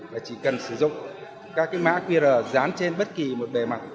và chỉ cần sử dụng các cái mã qr dán trên bất kỳ một bề mặt